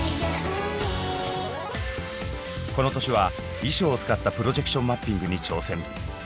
この年は衣装を使ったプロジェクションマッピングに挑戦。